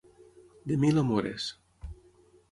De mil amores.